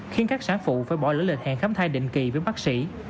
khiến các sản phụ phải bỏ lỡ lịch hẹn khám thai định kỳ với bác sĩ